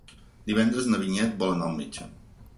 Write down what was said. Divendres na Vinyet vol anar al metge.